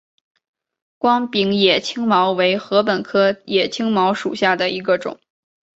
光柄野青茅为禾本科野青茅属下的一个种。